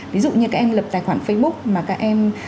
ví dụ như các em lập tài khoản facebook mà các em